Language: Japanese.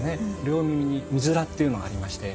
両耳に美豆良っていうのがありまして。